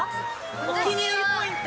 お気に入りポイント。